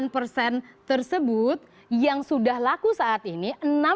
tujuh puluh delapan persen tersebut yang sudah laku saat ini